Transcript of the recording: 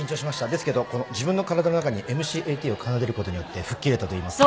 ですけど自分の体の中にｍ．ｃ．Ａ・Ｔを奏でることによって吹っ切れたといいますか。